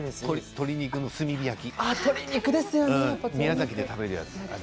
鶏肉の炭火焼き。